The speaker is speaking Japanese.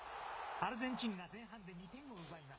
アルゼンチンが前半で２点を奪います。